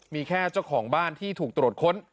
มีแค่เจ้าของบ้านที่ถูกตรวจค้น